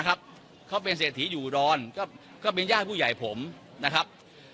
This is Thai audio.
เขาเป็นเศรษฐีอยู่อุดรก็เป็นญาติผู้ใหญ่ผมนะครับ